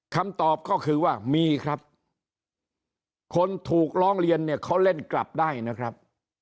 คำตอบก็คือว่ามีครับคนถูกร้องเรียนเนี่ยเขาเล่นกลับได้นะครับ